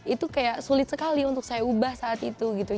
itu kayak sulit sekali untuk saya ubah saat itu gitu